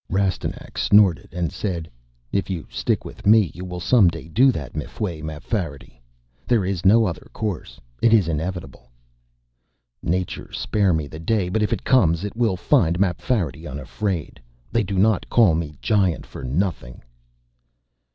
Rastignac snorted and said, "If you stick with me you will some day do that, m'fweh Mapfarity. There is no other course. It is inevitable." "Nature spare me the day! But if it comes it will find Mapfarity unafraid. They do not call me Giant for nothing."